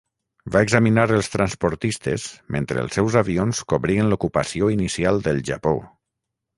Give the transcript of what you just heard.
Va examinar els transportistes mentre els seus avions cobrien l'ocupació inicial del Japó.